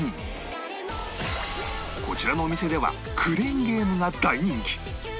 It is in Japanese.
こちらのお店ではクレーンゲームが大人気